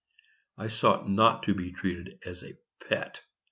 I sought not to be treated as a pet.